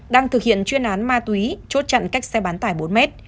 đang thực hiện chuyên án ma túy chốt chặn cách xe bán tải bốn mét